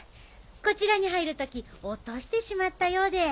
こちらに入る時落としてしまったようで。